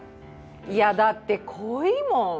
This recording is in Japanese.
いやだって濃いもん。